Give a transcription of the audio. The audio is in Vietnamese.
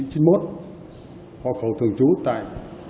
hồ khẩu thường trú tại